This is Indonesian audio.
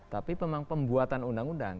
tapi memang pembuatan undang undang